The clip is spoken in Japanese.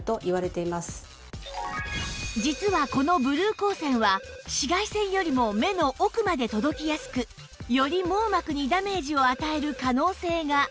実はこのブルー光線は紫外線よりも目の奥まで届きやすくより網膜にダメージを与える可能性が